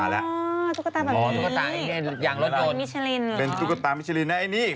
อยู่แล้ว